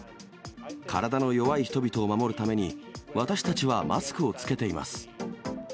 体の弱い人々を守るために、私たちはマスクを着けています。